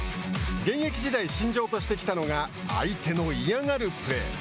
現役時代、身上としてきたのが相手の嫌がるプレー。